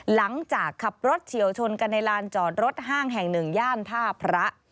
หลังจากขับรถเฉียวชนกันในลานจอดรถห้างแห่งหนึ่งย่านท่าพระ